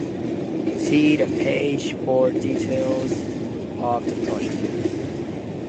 See the page for details of the project.